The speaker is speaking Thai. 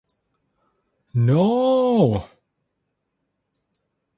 โน้ววววววววววววววววววว